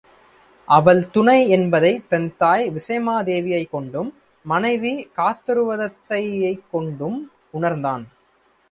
அவள் துணை என்பதைத் தன் தாய் விசயமாதேவியைக் கொண்டும், மனைவி காந்தருவதத்தையைக் கொண்டும் உணர்ந்தான்.